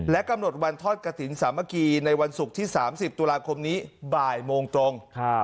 กำหนดวันทอดกระถิ่นสามัคคีในวันศุกร์ที่๓๐ตุลาคมนี้บ่ายโมงตรง